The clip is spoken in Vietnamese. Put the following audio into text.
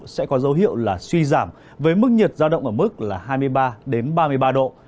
sẽ có dấu hiệu là suy giảm với mức nhiệt giao động ở mức là hai mươi ba đến ba mươi ba độ